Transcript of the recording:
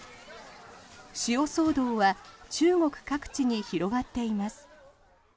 塩騒動は中国各地に広がっています。